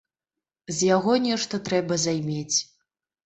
З яго нешта трэба займець.